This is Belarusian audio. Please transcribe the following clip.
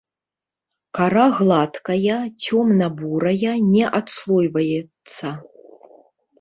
Кара гладкая, цёмна-бурая, не адслойваецца.